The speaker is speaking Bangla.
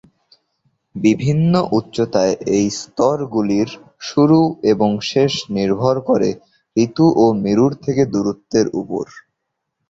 বিভিন্ন উচ্চতায় এই স্তরগুলির শুরু এবং শেষ নির্ভর করে ঋতু ও মেরুর থেকে দূরত্বের ওপর।